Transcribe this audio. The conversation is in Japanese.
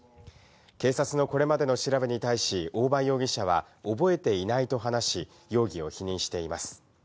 警察のこれまでの調べに対し、大場容疑者は覚えていないと話し、容疑を否認しています。